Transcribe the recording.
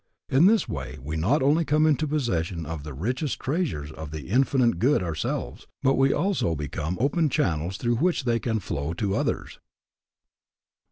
In this way we not only come into possession of the richest treasures of the Infinite Good ourselves, but we also become open channels through which they can flow to others.